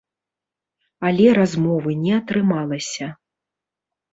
Але размовы не атрымалася.